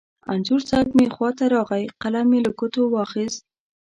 انځور صاحب مې خوا ته راغی، قلم یې له ګوتو واخست.